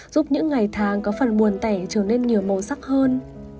giúp những ngày tháng có phần buồn tẻ trở nên nhiều màu sắc hơn